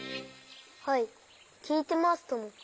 はいきいてますとも。